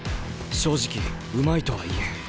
正直うまいとは言えん。